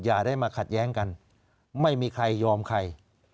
อย่าได้มาขัดแย้งกันไม่มีใครยอมใคร